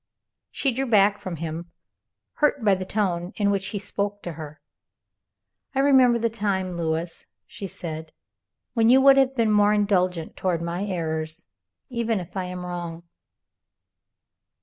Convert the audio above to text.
She drew back from him, hurt by the tone in which he spoke to her. "I remember the time, Lewis," she said, "when you would have been more indulgent toward my errors even if I am wrong."